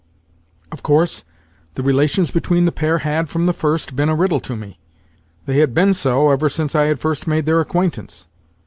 Of course, the relations between the pair had, from the first, been a riddle to me—they had been so ever since I had first made their acquaintance.